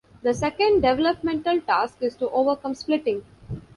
The second developmental task is to overcome splitting.